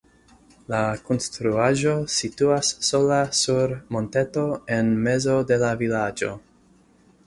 La konstruaĵo situas sola sur monteto en mezo de la vilaĝo.